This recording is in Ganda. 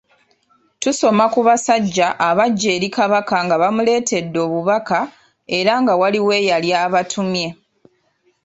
Tusoma ku basajja abajja eri kabaka nga bamuleetedde obubaka era nga waaliwo eyali abatumye.